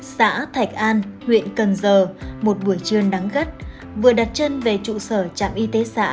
xã thạch an huyện cần giờ một buổi trưa nắng gắt vừa đặt chân về trụ sở trạm y tế xã